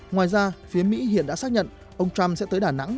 ngoài ra phía mỹ hiện đã xác nhận ông trump sẽ tới đà nẵng